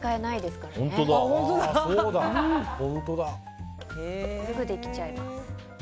すぐできちゃいます。